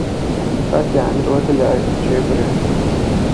Kaķēni rotaļājas ar čiekuriem.